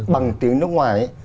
bằng tiếng nước ngoài